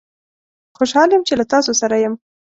خوشحال یم چې له تاسوسره یم